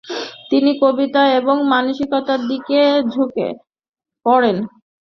তিনি কবিতা এবং মানবিকতার দিকে ঝোঁকে পড়েন।